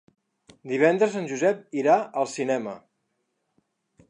Divendres en Josep irà al cinema.